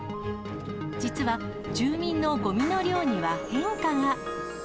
実は、住民のごみの量には変化が。